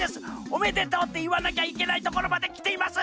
「おめでとう」っていわなきゃいけないところまできています。